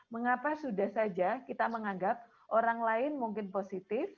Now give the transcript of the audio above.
mengapa sudah saja kita menganggap orang lain mungkin positif